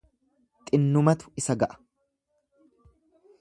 Xinnumatu isa ga'a.